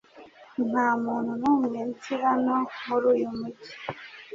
Nta muntu n'umwe nzi hano muri uyu mujyi .